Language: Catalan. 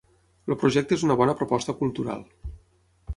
El projecte és una bona proposta cultural.